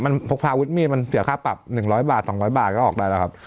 มันพกพาวิทย์มีดมันเสียค่าปรับหนึ่งร้อยบาทสองร้อยบาทก็ออกได้แล้วครับ